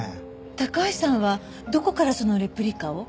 高橋さんはどこからそのレプリカを？